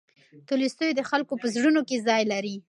تولستوی د خلکو په زړونو کې ځای لري.